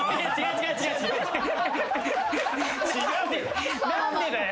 違うよ！